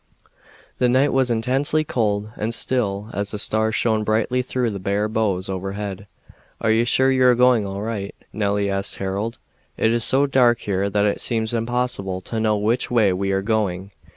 The night was intensely cold and still and the stars shone brightly through the bare boughs overhead. "Are you sure you are going all right?" Nelly asked Harold. "It is so dark here that it seems impossible to know which way we are going."